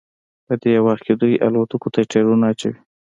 په دې وخت کې دوی الوتکو ته ټیرونه اچوي